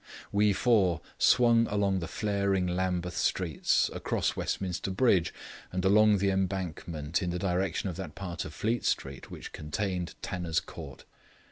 We four swung along the flaring Lambeth streets, across Westminster Bridge, and along the Embankment in the direction of that part of Fleet Street which contained Tanner's Court.